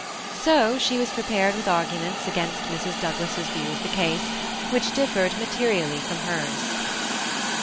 So she was prepared with ar 8 against Mrs. Douglas's view of the case, whiA 1 materially from hers.